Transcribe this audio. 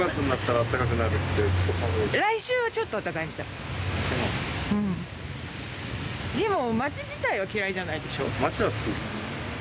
来週はちょっとあったかいみたいうんでも街自体は嫌いじゃないでしょ？